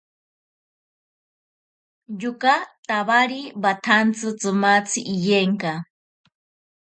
Yoka tawari watsanti tsimatzi iyenka.